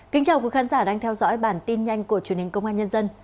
kính chào quý khán giả đang theo dõi bản tin nhanh của truyền hình công an nhân dân